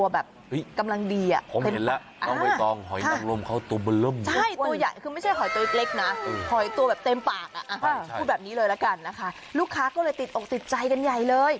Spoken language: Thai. แบบนี้เลยแล้วกันนะคะลูกค้าก็เลยติดอกสิทธิ์ใจกันใหญ่เลย